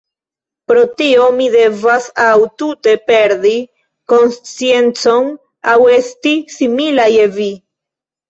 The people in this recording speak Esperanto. Pro tio mi devas aŭ tute perdi konsciencon, aŭ esti simila je vi.